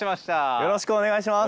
よろしくお願いします。